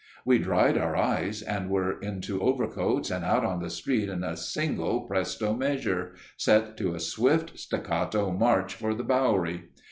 We dried our eyes, and were into overcoats and out on the street in a single presto measure, set to a swift staccato march for the Bowery.